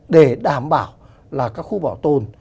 để đảm bảo là các khu bảo tồn